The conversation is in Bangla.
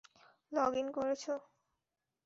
লগ ইন করেছ?